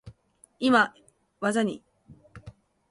今、技に…。